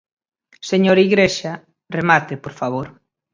Señor Igrexa, remate, por favor.